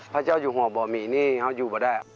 พระเจ้าอยู่หัวบ่อหมี่นี่เขาอยู่มาได้